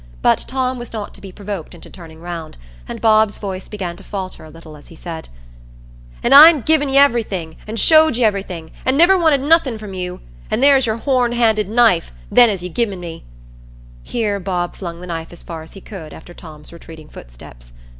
But Tom was not to be provoked into turning round, and Bob's voice began to falter a little as he said,— "An' I'n gi'en you everything, an' showed you everything, an' niver wanted nothin' from you. An' there's your horn handed knife, then as you gi'en me." Here Bob flung the knife as far as he could after Tom's retreating footsteps.